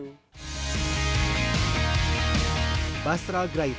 nanya nanya nanya akhirnya jadilah seperti itu